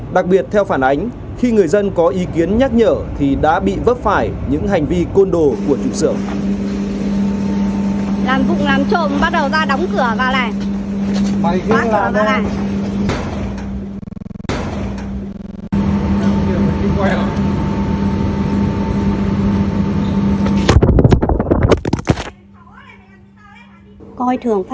đặc biệt theo phản ánh khi người dân có ý kiến nhắc nhở thì đã bị vấp phải những hành vi côn đồ của chủ sưởng